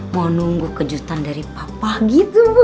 mau nunggu kejutan dari papa gitu